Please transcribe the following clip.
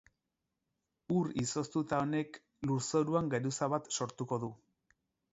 Ur izoztuta honek lurzoruan geruza bat sortuko du.